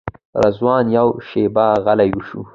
رضوان یوه شېبه غلی شو.